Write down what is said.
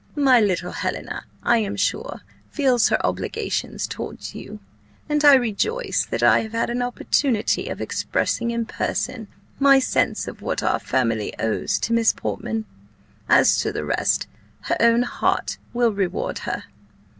My little Helena, I am sure, feels her obligations towards you, and I rejoice that I have had an opportunity of expressing, in person, my sense of what our family owes to Miss Portman. As to the rest, her own heart will reward her.